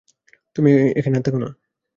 তুমি এখানে আর থেকো না।